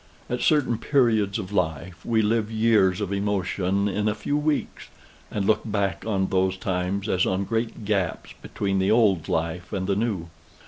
At certain periods of life we live years of emotion in a few weeks and look back on those times, as on great gaps between the old life and the new.